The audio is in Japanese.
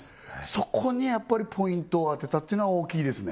そこにやっぱりポイントを当てたっていうのは大きいですね